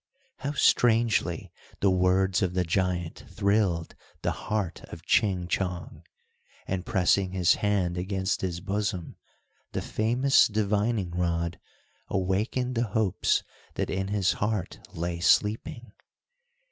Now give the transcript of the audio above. How strangely the words of the giant thrilled the heart of Ching Chong, and, pressing his hand against his bosom, the famous divining rod awakened the hopes that in his heart lay sleeping.